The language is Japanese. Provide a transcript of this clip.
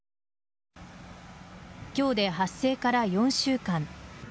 今日で発生から４週間。